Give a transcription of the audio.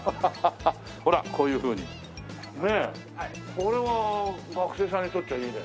これは学生さんにとっちゃいいね。